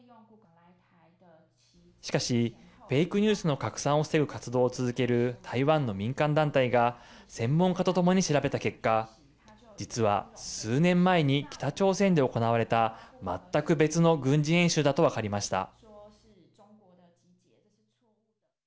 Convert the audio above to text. しかし、フェイクニュースの拡散を防ぐ活動を続ける台湾の民間団体が専門家と共に調べた結果実は、数年前に北朝鮮で行われた全く別の軍事演習だと分かりました。